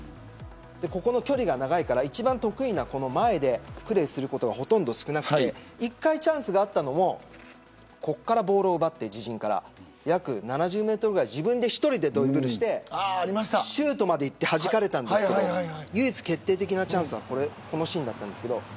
この距離が長いから一番得意な前でプレーすることが少なくて一度チャンスがあったのもここからボールを奪って自陣から、約７０メートルぐらい１人でドリブルをしてシュートまでいってはじかれたんですけど唯一決定的なチャンスはこのシーンです。